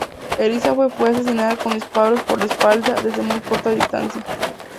Elisabeth fue asesinada con disparos por la espalda, desde muy corta distancia.